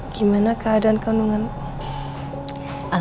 gimana keadaan kandungan lo